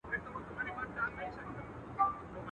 پر زړه مي راځي، پر خوله مي نه راځي.